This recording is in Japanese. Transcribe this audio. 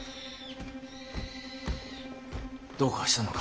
どうかしたのか？